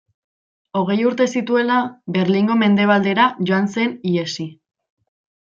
Hogei urte zituela Berlingo mendebaldera joan zen ihesi.